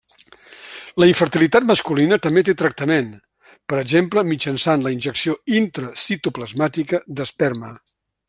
La infertilitat masculina també té tractament, per exemple, mitjançant la injecció intracitoplasmàtica d'esperma.